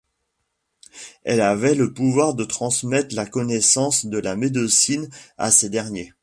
Elle avait le pouvoir de transmettre la connaissance de la médecine à ces derniers.